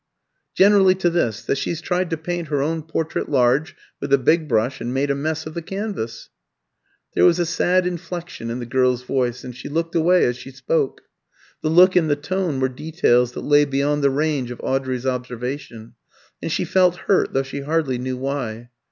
"Generally to this that she's tried to paint her own portrait large, with a big brush, and made a mess of the canvas." There was a sad inflection in the girl's voice, and she looked away as she spoke. The look and the tone were details that lay beyond the range of Audrey's observation, and she felt hurt, though she hardly knew why.